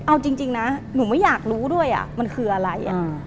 เอาจริงนะหนูไม่อยากรู้ด้วยมันคืออะไร